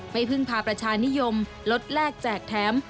พึ่งพาประชานิยมลดแลกแจกแถม